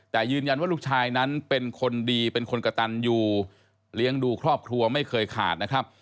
แต่ยืนยันว่าลูกชายนั้นเป็นคนดีเป็นคนกระตันอยู่เลี้ยงดูครอบครัวไม่เคยขาดนะครับ